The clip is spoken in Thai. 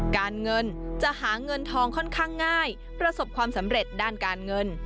การเงินจะหาเงินทองค่อนข้างง่ายประสบความสำเร็จด้านการเงิน